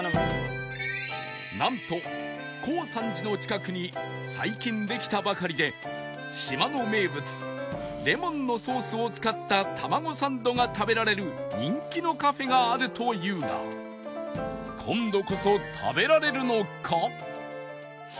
なんとコウサンジの近くに最近できたばかりで島の名物レモンのソースを使ったタマゴサンドが食べられる人気のカフェがあるというが今度こそ食べられるのか？